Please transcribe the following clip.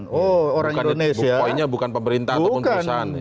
poinnya bukan pemerintah ataupun perusahaan